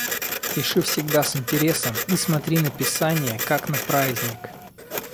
Пиши всегда с интересом и смотри на писание как на праздник.